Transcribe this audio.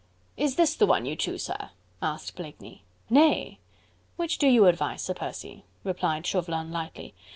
"Is this the one you choose, sir?" asked Blakeney. "Nay! which do you advise, Sir Percy," replied Chauvelin lightly.